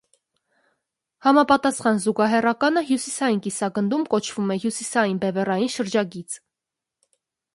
Համապատասխան զուգահեռականը հյուսիսային կիսագնդում կոչվում է հյուսիսային բևեռային շրջագիծ։